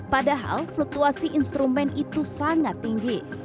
padahal fluktuasi instrumen itu sangat tinggi